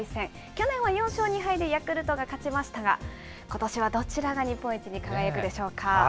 去年は４勝２敗でヤクルトが勝ちましたが、ことしはどちらが日本一に輝くでしょうか。